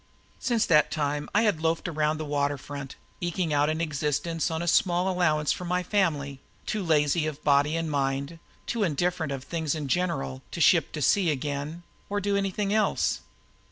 Since that time I had loafed around the water front, eking out an existence on a small allowance from my family, too lazy of body and mind, too indifferent to things in general, to ship to sea again or do anything else.